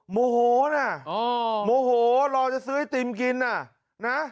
โมโฮนะโมโฮรอจะซื้อแอปอันกินนะ